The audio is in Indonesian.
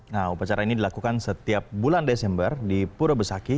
nah upacara ini dilakukan setiap bulan desember di pura besaki